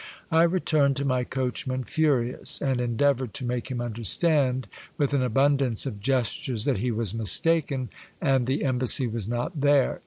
I returned to my coachman furious, and endeavored to make him understand, with an abundance of gestures, that he was mistaken, and the Embassy was not there.